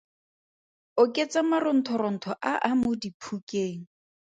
Oketsa maronthorontho a a mo diphukeng.